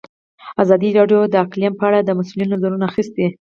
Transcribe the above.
ازادي راډیو د اقلیم په اړه د مسؤلینو نظرونه اخیستي.